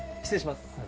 失礼します。